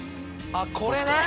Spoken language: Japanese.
あっこれな！